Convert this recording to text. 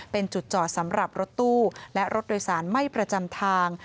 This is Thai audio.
เป็นจุดจอดสำหรับรถตู้และรถโดยสารไม่ประจำทาง